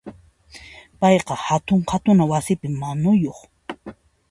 Payqa hatun qhatuna wasipi manuyuq.